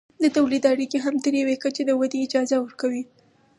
د تولید اړیکې هم تر یوې کچې د ودې اجازه ورکوي.